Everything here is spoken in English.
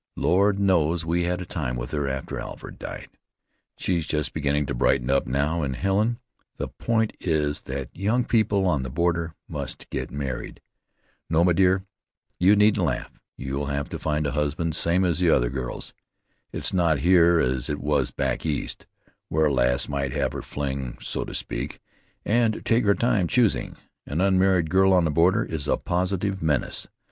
Lord knows we had a time with her after Alfred died. She's just beginning to brighten up now, and, Helen, the point is that young people on the border must get married. No, my dear, you needn't laugh, you'll have to find a husband same as the other girls. It's not here as it was back east, where a lass might have her fling, so to speak, and take her time choosing. An unmarried girl on the border is a positive menace.